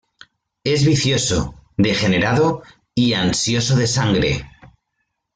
Es vicioso, degenerado y ansioso de sangre.